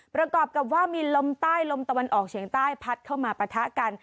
ประกอบกับว่ามีลมใต้ลมตะวันออกเฉียงใต้พัดเข้ามาปะทะกัน